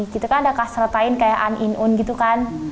gitu kan ada kasretain kayak an in un gitu kan